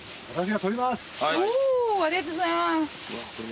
おぉーありがとうございます。